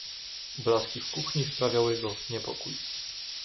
Blaski w kuchni wprawiały go w niepokój.